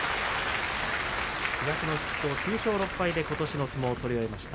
東の筆頭９勝６敗でことしの相撲を取り終えました。